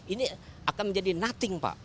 ini akan menjadi nothing pak